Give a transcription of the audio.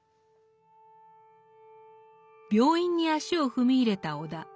病院に足を踏み入れた尾田。